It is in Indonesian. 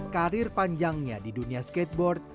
karir panjangnya di dunia skateboard